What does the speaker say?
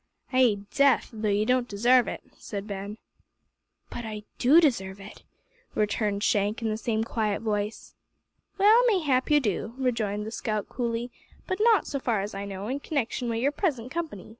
"Ay, death; though ye don't desarve it," said Ben. "But I do deserve it," returned Shank in the same quiet voice. "Well, may hap you do," rejoined the scout coolly, "but not, so far as I know, in connection wi' your present company.